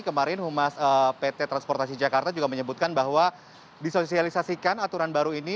kemarin humas pt transportasi jakarta juga menyebutkan bahwa disosialisasikan aturan baru ini